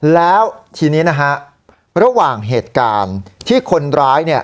แล้วทีนี้นะฮะระหว่างเหตุการณ์ที่คนร้ายเนี่ย